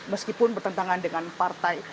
meskipun bertentangan dengan partai